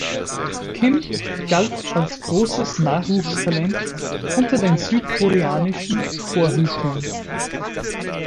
Kim galt als großes Nachwuchstalent unter den südkoreanischen Torhütern.